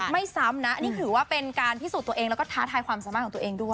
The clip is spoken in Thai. ซ้ำนะอันนี้ถือว่าเป็นการพิสูจน์ตัวเองแล้วก็ท้าทายความสามารถของตัวเองด้วย